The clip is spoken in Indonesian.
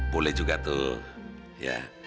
boleh juga tuh